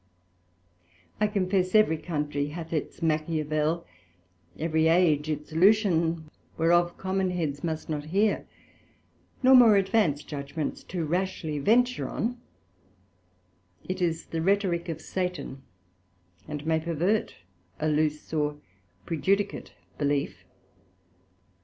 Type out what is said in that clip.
I confess every country hath its Machiavel, every Age its Lucian, whereof common Heads must not hear, nor more advanced Judgments too rashly venture on: It is the Rhetorick of Satan, and may pervert a loose or prejudicate belief.